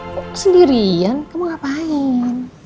kok sendirian kamu ngapain